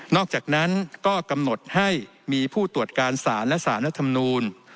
อกจากนั้นก็กำหนดให้มีผู้ตรวจการสารและสารรัฐธรรมนูล